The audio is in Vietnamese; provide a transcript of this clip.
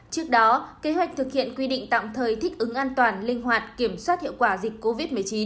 trước đó kế hoạch thực hiện quy định tạm thời thích ứng an toàn linh hoạt kiểm soát hiệu quả dịch covid một mươi chín